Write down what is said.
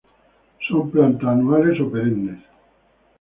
Son plantas anuales o perennes.